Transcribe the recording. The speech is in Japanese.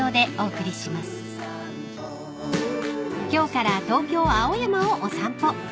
［今日から東京青山をお散歩。